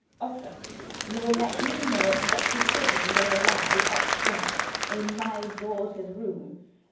Oscar! you will let me know at what decision they arrive, up stairs in my daughter's room.